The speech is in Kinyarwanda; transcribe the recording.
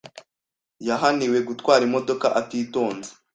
Yahaniwe gutwara imodoka atitonze.